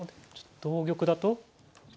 同玉だと？